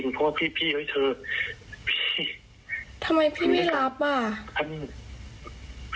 อย่าเป็นพูดกันบ้างตอนนี้นะครับ